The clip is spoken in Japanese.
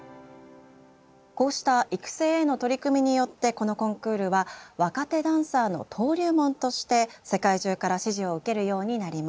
こうした育成への取り組みによってこのコンクールは「若手ダンサーの登竜門」として世界中から支持を受けるようになります。